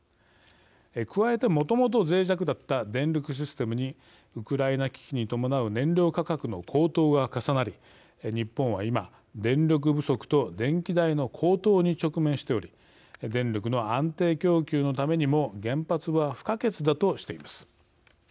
加えて、もともとぜい弱だった電力システムにウクライナ危機に伴う燃料価格の高騰が重なり日本は今、電力不足と電気代の高騰に直面しており電力の安定供給のためにも原発は不可欠だとしています。